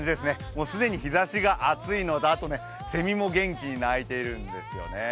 もう既に日ざしが暑いのと、あとね、せみも元気に鳴いているんですね。